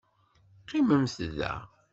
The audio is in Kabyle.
Qqimemt da!